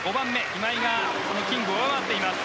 今井がキングを上回っています。